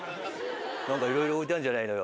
何かいろいろ置いてあんじゃないのよ